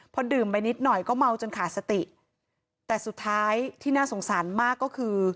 พอดื่มไปนิดหน่อยก็เมาจนขาดสติแต่สุดท้ายที่น่าสงสารมากก็คือ